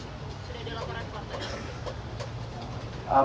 sudah ada laporan kepatanya